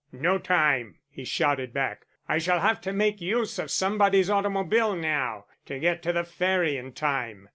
"No time," he shouted back. "I shall have to make use of somebody's automobile now, to get to the Ferry in time."